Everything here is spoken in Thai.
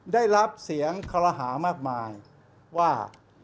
ได้รับเสียงคอรหามากมายว่า